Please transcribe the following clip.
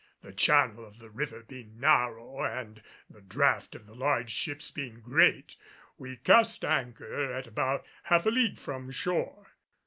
The channel of the river being narrow and the draught of the large ships being great, we cast anchor at about half a league from shore.